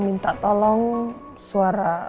minta tolong suara